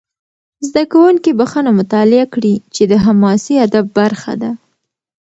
زده کوونکي بخښنه مطالعه کړي، چې د حماسي ادب برخه ده.